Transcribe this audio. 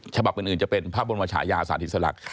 ฉบับอื่นจะเป็นพระบรมชายาสาธิสลักษณ